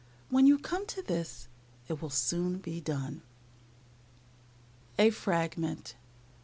When you come to this it will soon be done. A FRAGMENT.